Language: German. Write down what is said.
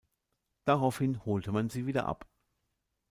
Daraufhin holte man sie wieder ab.